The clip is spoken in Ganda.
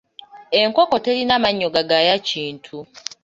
Enkoko terina mannyo gagaaya kintu.